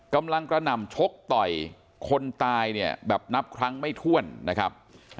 กระหน่ำชกต่อยคนตายเนี่ยแบบนับครั้งไม่ถ้วนนะครับ